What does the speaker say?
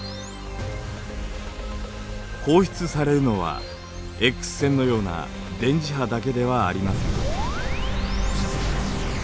放出されるのはＸ線のような電磁波だけではありません。